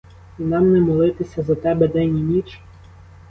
І нам не молитися за тебе день і ніч?